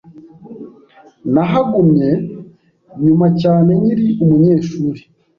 Nahagumye nyuma cyane nkiri umunyeshuri.